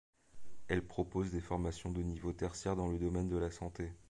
Elle propose des formations de niveau tertiaire dans le domaine de la santé.